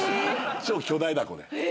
超巨大だこで。